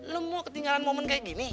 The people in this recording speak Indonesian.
lo mau ketinggalan momen kayak gini